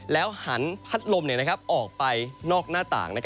หันพัดลมออกไปนอกหน้าต่าง